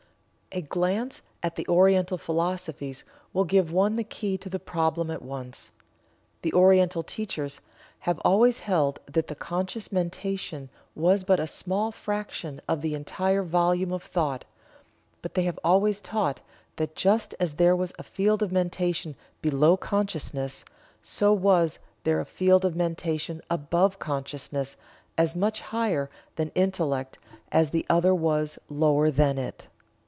A glance at the Oriental philosophies will give one the key to the problem at once. The Oriental teachers have always held that the conscious mentation was but a small fraction of the entire volume of thought, but they have always taught that just as there was a field of mentation below consciousness, so was there a field of mentation above consciousness as much higher than Intellect as the other was lower than it.